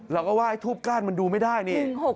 อ๋อเราก็ว่าทูบก้านมันดูไม่ได้นี่